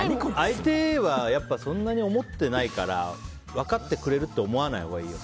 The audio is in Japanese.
相手はやっぱりそんなに思ってないから分かってくれると思わないほうがいいよ。